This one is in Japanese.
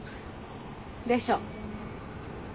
でしょ。